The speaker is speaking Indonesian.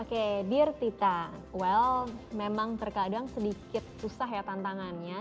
oke dear tita well memang terkadang sedikit susah ya tantangannya